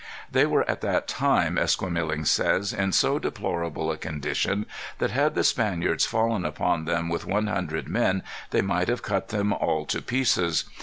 They were at that time, Esquemeling says, in so deplorable a condition that had the Spaniards fallen upon them with one hundred men they might have cut them all to pieces.